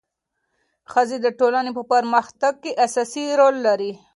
ښځې د ټولنې په پرمختګ کې اساسي رول لري.